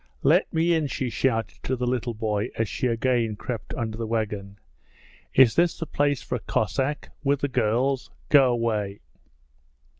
'Let me in,' she shouted to the little boy as she again crept under the wagon. 'Is this the place for a Cossack with the girls? Go away!'